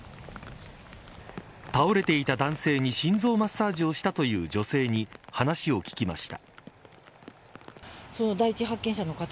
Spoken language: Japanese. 倒れていた男性に心臓マッサージをしたという女性に話を聞きました。